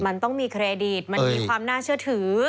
มันต้องมีเครดิตมันมีความน่าเชื่อถือ